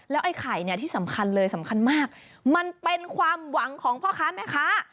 ไอ้ไข่เนี่ยที่สำคัญเลยสำคัญมากมันเป็นความหวังของพ่อค้าแม่ค้า